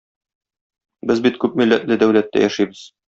Без бит күпмилләтле дәүләттә яшибез.